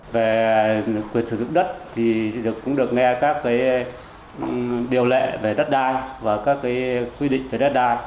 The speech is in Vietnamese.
về quyền sử dụng đất thì cũng được nghe các điều lệ về đất đai và các quy định về đất đai